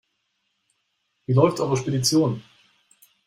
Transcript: Wie läuft eure Spedition?